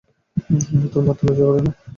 মাতাল মারতে লজ্জা করে না?